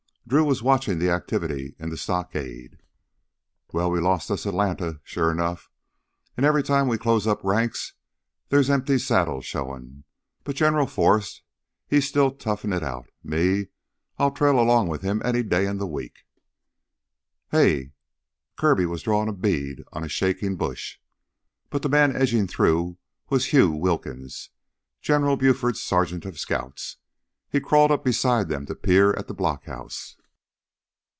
Drew was watching the activity in the stockade. "Well, we lost us Atlanta, sure enough. An' every time we close up ranks, theah's empty saddles showin'. But General Forrest, he's still toughenin' it out. Me, I'll trail along with him any day in the week." "Hey!" Kirby was drawing a bead on a shaking bush. But the man edging through was Hew Wilkins, General Buford's Sergeant of Scouts. He crawled up beside them to peer at the blockhouse.